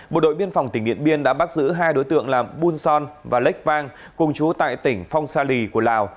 bộ đội biên phòng tỉnh điện biên đã bắt giữ hai đối tượng là bun son và lách vang cùng chú tại tỉnh phong sa lì của lào